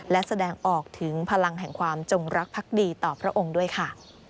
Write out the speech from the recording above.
และแสดงออกถึงพลังแห่งความจงรักพักดีต่อพระองค์ด้วยค่ะ